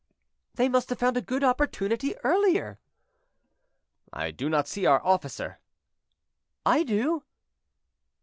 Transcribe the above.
"They must have found a good opportunity earlier." "I do not see our officer." "I do."